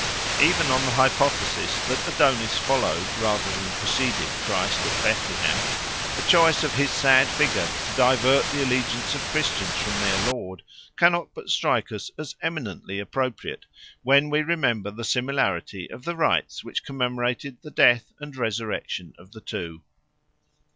Even on the hypothesis that Adonis followed rather than preceded Christ at Bethlehem, the choice of his sad figure to divert the allegiance of Christians from their Lord cannot but strike us as eminently appropriate when we remember the similarity of the rites which commemorated the death and resurrection of the two.